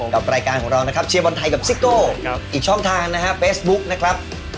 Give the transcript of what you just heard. กับรายการของเรานะครับ